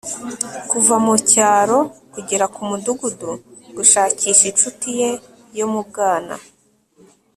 kuva mucyaro kugera kumudugudu gushakisha inshuti ye yo mu bwana